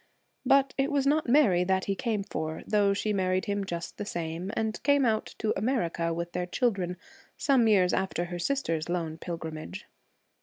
But it was not Mary that he came for, though she married him just the same, and came out to America with their children some years after her sister's lone pilgrimage.